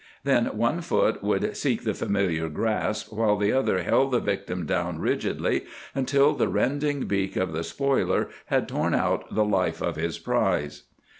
Then one foot would seek the familiar grasp, while the other held the victim down rigidly until the rending beak of the spoiler had torn out the life of his prize.